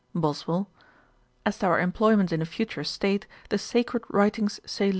BOSWELL. 'As to our employment in a future state, the sacred writings say little.